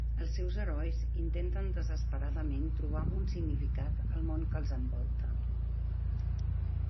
Els seus herois intenten desesperadament trobar un significat al món que els envolta.